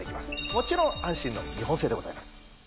もちろん安心の日本製でございます。